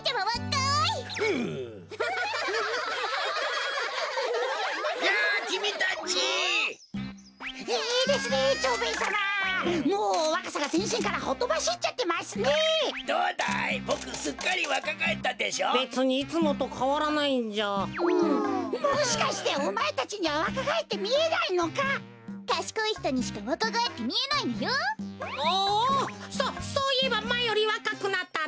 そそういえばまえよりわかくなったな。